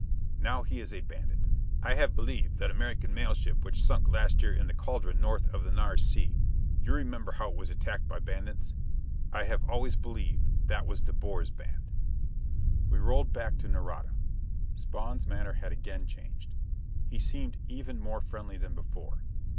Now he is a bandit. I have believe that American mail ship which sank last year in the cauldron north of the Nares Sea you remember how it was attacked by bandits? I have always believe that was De Boer's band." We rolled back to Nareda. Spawn's manner had again changed. He seemed even more friendly than before.